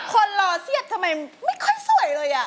คนรอเสียดทำไมไม่ค่อยสวยเลย